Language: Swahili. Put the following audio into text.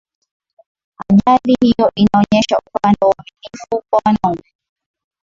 ajali hiyo inaonyesha upendo na uaminifu kwa mwanaume